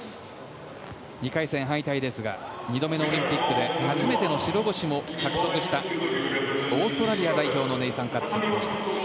２回戦敗退ですが２度目のオリンピックで初めての白星も獲得したオーストラリア代表のネイサン・カッツ。